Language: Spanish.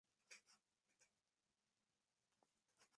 Lesiones en pulmones, corazón, hígado, bazo y riñón.